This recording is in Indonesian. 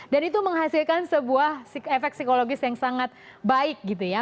dan itu menghasilkan sebuah efek psikologis yang sangat baik gitu ya